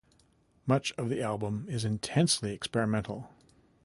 Much of the album is intensely experimental.